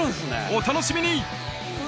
お楽しみに！